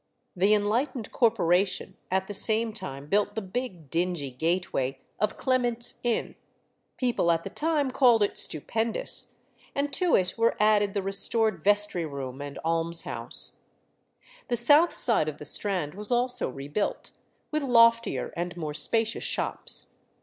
The enlightened Corporation at the same time built the big, dingy gateway of Clement's Inn people at the time called it "stupendous;" and to it were added the restored vestry room and almshouse. The south side of the Strand was also rebuilt, with loftier and more spacious shops.